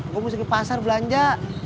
gue mau pergi pasar belanja